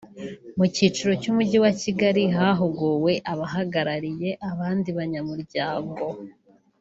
mu cyiciro cy’umujyi wa Kigali hahuguwe abahagarariye abandi banyamuryago